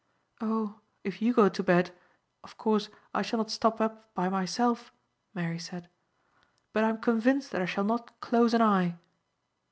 "Oh, if you go to bed of course I shall not stop up by myself," Mary said; "but I am convinced that I shall not close an eye."